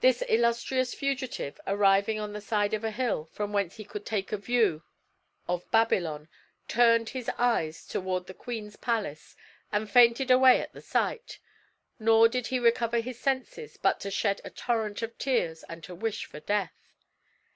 This illustrious fugitive arriving on the side of a hill, from whence he could take a view of Babylon, turned his eyes toward the queen's palace, and fainted away at the sight; nor did he recover his senses but to shed a torrent of tears and to wish for death.